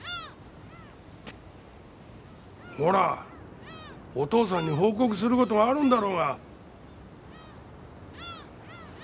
ほらお父さんに報告する事があるんだろうが。